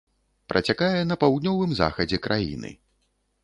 Працякае на паўднёвым захадзе краіны.